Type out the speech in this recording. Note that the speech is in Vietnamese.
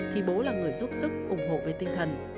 thì bố là người giúp sức ủng hộ về tinh thần